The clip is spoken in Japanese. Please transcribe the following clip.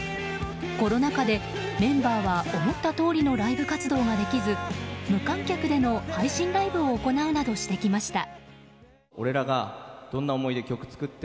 コロナ禍でメンバーは思ったとおりのライブ活動ができず無観客での配信ライブを行うなどしてきました。